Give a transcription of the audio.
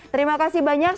terima kasih banyak